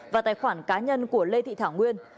và tài khoản cá nhân của lê thị thảo nguyên